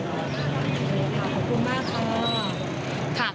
ขอบคุณมากค่ะ